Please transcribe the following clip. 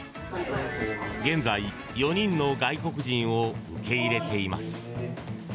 現在、４人の外国人を受け入れています。